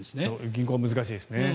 銀行は難しいですね。